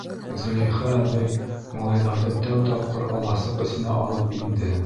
Зөләйха әбей малайҙарҙы тәү тапҡыр аласыҡ эсенә алып инде.